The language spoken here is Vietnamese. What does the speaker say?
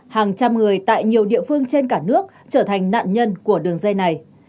hàng trăm người tại nhiều địa phương trên cả nước trở thành nạn nhân của đường dây này